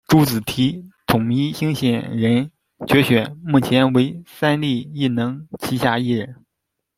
朱紫缇「统一星鲜人」决选，目前为三立艺能旗下艺人。